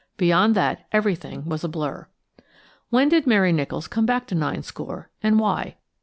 Beyond that everything was a blur. When did Mary Nicholls come back to Ninescore, and why?